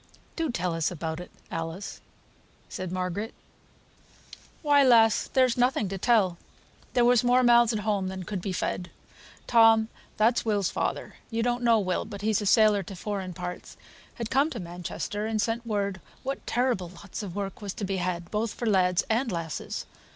"Do tell us about it, Alice," said Margaret. "Why, lass, there's nothing to tell. There was more mouths at home than could be fed. Tom, that's Will's father (you don't know Will, but he's a sailor to foreign parts), had come to Manchester, and sent word what terrible lots of work was to be had, both for lads and lasses.